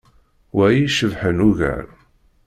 Wa i icebḥen ugar.